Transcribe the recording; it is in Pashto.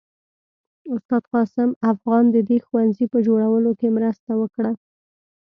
استاد قاسم افغان د دې ښوونځي په جوړولو کې مرسته وکړه.